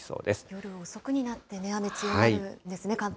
夜遅くになって、雨強まるんですね、関東。